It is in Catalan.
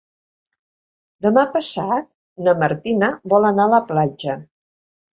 Demà passat na Martina vol anar a la platja.